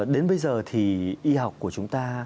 đến bây giờ thì y học của chúng ta